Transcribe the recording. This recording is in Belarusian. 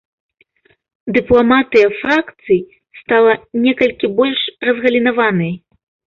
Дыпламатыя фракцый стала некалькі больш разгалінаванай.